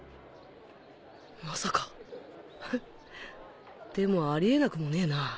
まさかフフでもあり得なくもねえな